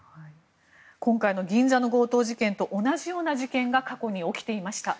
今回の銀座の強盗事件と同じような強盗事件が過去に起きていました。